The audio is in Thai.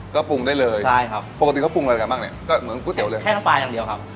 ก็ปรุงได้เลยใช่ครับปกติเขาปรุงอะไรยังไงบ้างเนี่ยก็เหมือนก๋วเตี๋เลยแห้งปลาอย่างเดียวครับ